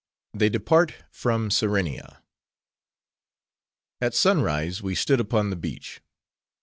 They Depart From Serenia At sunrise, we stood upon the beach.